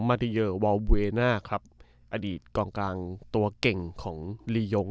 มาติเยอร์วอลเวน่าครับอดีตกองกลางตัวเก่งของลียง